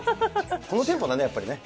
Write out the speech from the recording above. このテンポだね、やっぱりね。